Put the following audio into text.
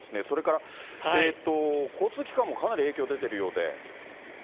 それから交通機関にかなり影響が出ているみたいで。